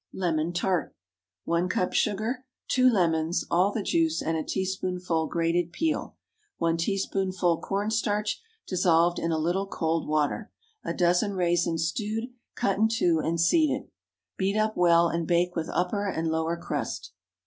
LEMON TART. 1 cup sugar. 2 lemons—all the juice, and a teaspoonful grated peel. 1 teaspoonful corn starch, dissolved in a little cold water. A dozen raisins stewed, cut in two and seeded. Beat up well, and bake with upper and lower crust.